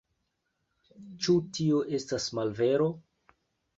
Ĉu tio estas malvero?